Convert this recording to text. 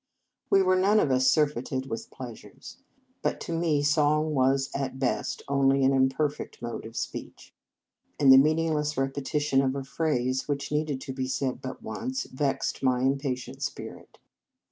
We were none of us surfeited with pleasures. But to me song was at best only an imperfect mode of speech; and the meaningless repetition of a phrase, which needed to be said but once, vexed my impatient spirit.